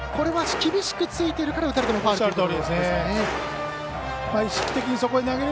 厳しくついているから打たれてもファウルということですね。